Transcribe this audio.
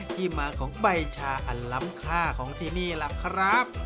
ที่มาของใบชาอันล้ำค่าของที่นี่ล่ะครับ